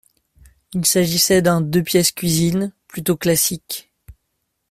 Il s’agissait d’un deux-pièces cuisine plutôt classique.